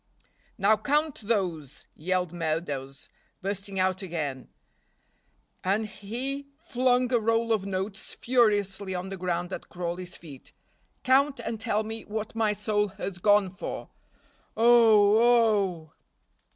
"Now count those," yelled Meadows, bursting out again, and he flung a roll of notes furiously on the ground at Crawley's feet, "count and tell me what my soul has gone for. Oh! oh!"